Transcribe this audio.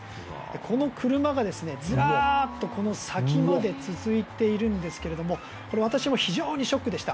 この車がずらっと、この先まで続いているんですけれどもこれ、私も非常にショックでした。